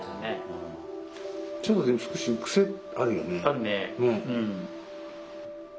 あるね。